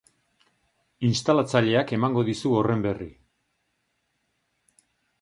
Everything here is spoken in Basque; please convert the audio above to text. Instalatzaileak emango dizu horren berri.